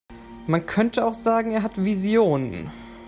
Man könnte auch sagen, er hat Visionen.